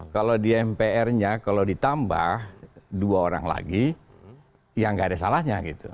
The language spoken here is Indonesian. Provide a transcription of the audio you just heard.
kalau di mpr nya kalau ditambah dua orang lagi ya nggak ada salahnya gitu